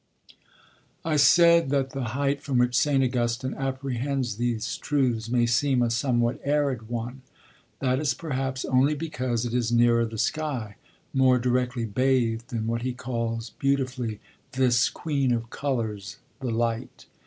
I said that the height from which St. Augustine apprehends these truths may seem a somewhat arid one. That is perhaps only because it is nearer the sky, more directly bathed in what he calls, beautifully, 'this queen of colours, the light.'